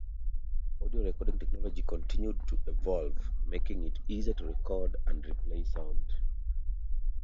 Audio recording technology continued to evolve, making it easier to record and replay sound.